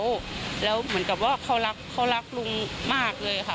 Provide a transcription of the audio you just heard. แล้วเหมือนกับว่าเขารักเขารักลุงมากเลยค่ะ